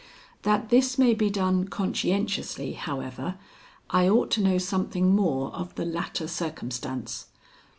That this may be done conscientiously, however, I ought to know something more of the latter circumstance.